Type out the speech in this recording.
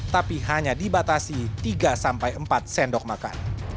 tapi hanya dibatasi tiga sampai empat sendok makan